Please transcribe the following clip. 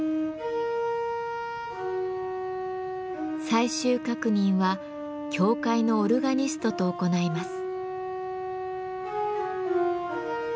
最終確認は教会のオルガニストと行います。